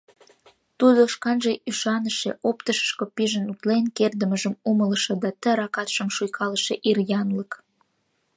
Тудо шканже ӱшаныше — оптышышко пижшын утлен кердымыжым умылышо да ты ракатшым шуйкалыше ир янлык.